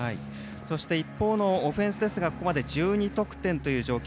そして一方のオフェンスですがここまで１２得点という状況。